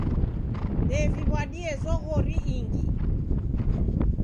Ndeviw'adie zoghori ingi.